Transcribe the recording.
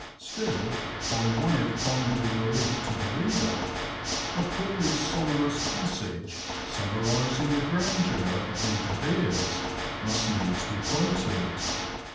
Still, by way of kindly relief to the reader, Macaulay's sonorous passage summarizing the grandeur of the De Veres must needs be quoted.